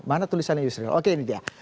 mana tulisannya yusril oke ini dia